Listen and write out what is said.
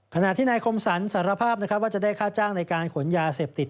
ขณะที่นายคมสรรสารภาพนะครับว่าจะได้ค่าจ้างในการขนยาเสพติด